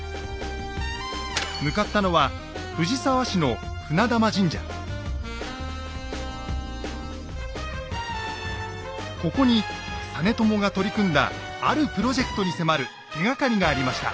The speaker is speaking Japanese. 向かったのはここに実朝が取り組んだあるプロジェクトに迫る手がかりがありました。